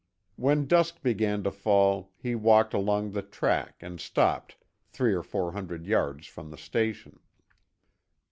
When dusk began to fall he walked along the track and stopped three or four hundred yards from the station.